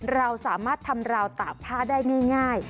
เราสามารถทำราวตากผ้าได้ง่าย